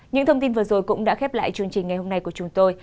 những thông tin vừa rồi cũng đã khép lại chương trình ngày hôm nay của chúng tôi